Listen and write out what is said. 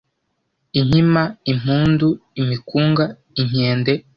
inkima, impundu, imikunga, inkende